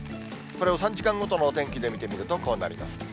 これを３時間ごとのお天気で見てみるとこうなります。